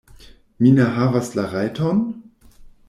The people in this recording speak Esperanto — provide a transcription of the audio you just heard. Mi ne havas la rajton?